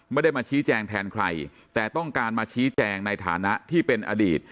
ไม่ได้มาชี้แจงแทนใครแต่ต้องการมาชี้แจงในฐานะที่เป็นอดีต